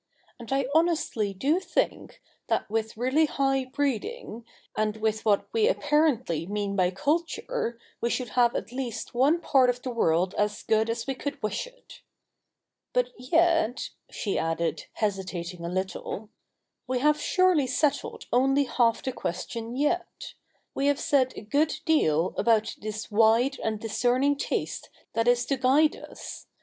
And I honestly do think, that with really high breeding, and with what, we apparently mean by culture, we should have at least one part of the world as good as we could wish it. But yet —' she added, hesitating a little, ' we have surely settled only half the question yet. We have said a good deal about this wide and discerning taste that is to guide us.